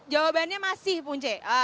jawabannya masih punce